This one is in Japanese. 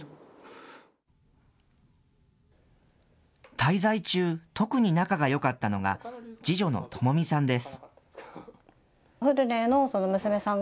滞在中、特に仲がよかったのが次女の智美さんです。